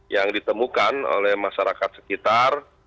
yang ditemukan oleh masyarakat sekitar